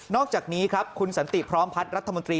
อกจากนี้ครับคุณสันติพร้อมพัฒน์รัฐมนตรี